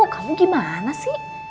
kamu gimana sih